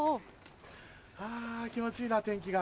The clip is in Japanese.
あぁ気持ちいいな天気が。